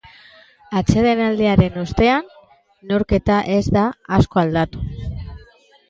Atsedenaldiaren ostean, neurketa ez da asko aldatu.